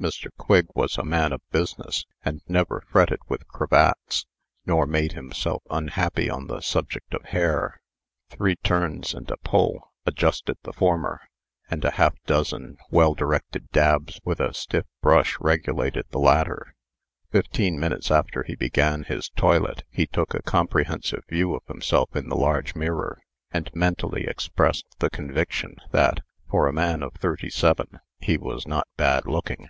Mr. Quigg was a man of business, and never fretted with cravats, nor made himself unhappy on the subject of hair. Three turns and a pull adjusted the former; and a half dozen well directed dabs with a stiff brush regulated the latter. Fifteen minutes after he began his toilet, he took a comprehensive view of himself in the large mirror, and mentally expressed the conviction that, for a man of thirty seven, he was not bad looking.